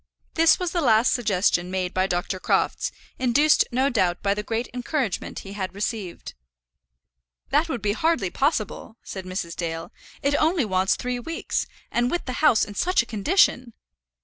This was the last suggestion made by Dr. Crofts, induced no doubt by the great encouragement he had received. "That would be hardly possible," said Mrs. Dale. "It only wants three weeks; and with the house in such a condition!"